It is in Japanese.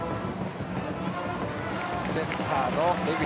センターの江口。